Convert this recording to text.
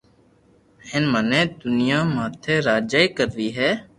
ھين مني دنيا ماٿي راجائي ڪروئ ھي